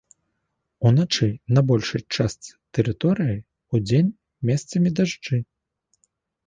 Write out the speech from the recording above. Уначы на большай частцы тэрыторыі, удзень месцамі дажджы.